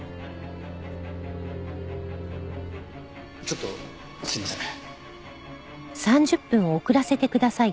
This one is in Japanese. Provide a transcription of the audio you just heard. ちょっとすいません。